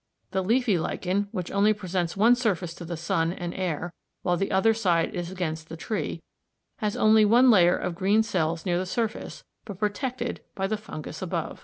The leafy lichen, which only presents one surface to the sun and air while the other side is against the tree, has only one layer of green cells near the surface, but protected by the fungus above.